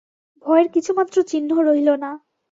ভয়ের কিছুমাত্র চিহ্ন রহিল না।